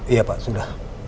iya pak sudah